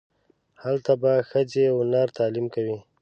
هلته به ښځې و نر تعلیم کوي.